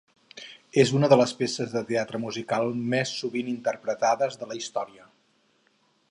És una de les peces de teatre musical més sovint interpretades de la història.